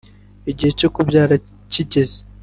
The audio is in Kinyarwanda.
Igihe cyo kubyara kigeze